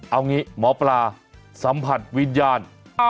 เอางี้หมอปลาสัมผัสวิญญาณ